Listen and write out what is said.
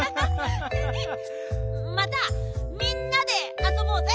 またみんなであそぼうぜ。